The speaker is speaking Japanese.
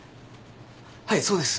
はいそうです。